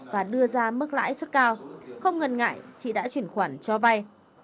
và đưa ra mức lãi suất cao không ngần ngại chị đã chuyển khoản cho vay